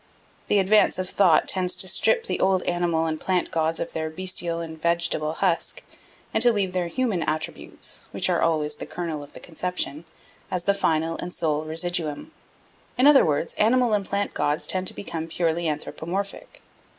The advance of thought tends to strip the old animal and plant gods of their bestial and vegetable husk, and to leave their human attributes (which are always the kernel of the conception) as the final and sole residuum. In other words, animal and plant gods tend to become purely anthropomorphic.